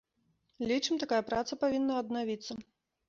Лічым, такая праца павінна аднавіцца.